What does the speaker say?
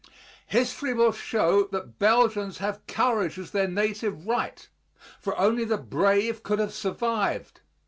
History will show that Belgians have courage as their native right, for only the brave could have survived.